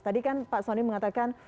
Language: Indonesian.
tadi kan pak soni mengatakan